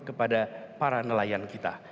kepada para nelayan kita